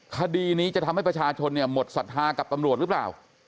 คดีนี้จะทำให้ประชาชนเนี่ยหมดศรัทธากับตำรวจหรือเปล่า